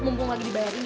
mumpung gak dibayarin